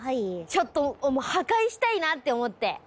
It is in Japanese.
ちょっと破壊したいなって思ってもう全部。